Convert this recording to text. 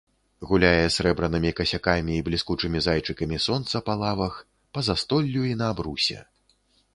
Гуляе срэбранымі касякамі і бліскучымі зайчыкамі сонца па лавах, па застоллю і на абрусе.